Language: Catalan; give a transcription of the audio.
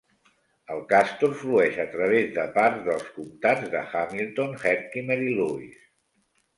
El Castor flueix a través de parts dels comtats de Hamilton, Herkimer i Lewis.